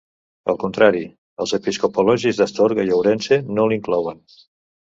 Al contrari, els episcopologis d'Astorga i Ourense no l'inclouen.